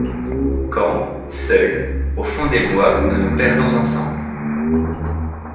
Quand, seuls, au fond des bois nous nous perdons ensemble